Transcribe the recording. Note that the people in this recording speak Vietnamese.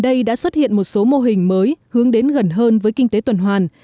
đây đã xuất hiện một số mô hình mới hướng đến gần hơn với kinh tế tuần hoàn